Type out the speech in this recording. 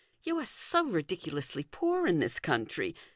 You are so ridiculously poor in this country.